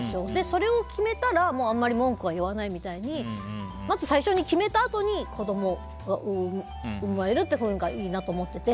それを決めたらあんまり文句は言わないみたいにまず最初に決めたあとに子供が生まれるっていうほうがいいなと思ってて。